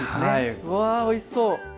うわおいしそう！